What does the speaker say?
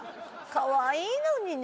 かわいいのにね。